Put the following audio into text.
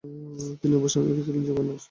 তিনি উপন্যাসটি লিখেছিলেন জীবনের শেষের দিকে।